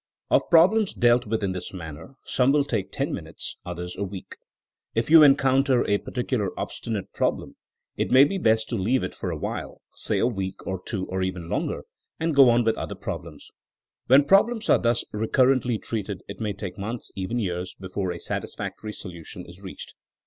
Of problems dealt with in this manner, some will take ten minutes, others a week. If you encounter a particularly obstinate problem it may be best to leave it for a while, say a week or two or even longer, and go on with other problems. "When problems are thus recurrently treated it may take months, even years, before a satisfactory solution is reached.